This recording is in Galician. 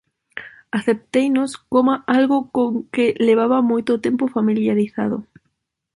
Acepteinos coma algo co que levaba moito tempo familiarizado.